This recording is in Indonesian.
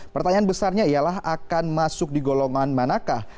pertanyaan besarnya ialah akan masuk di golongan manakah